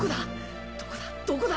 どこだ！？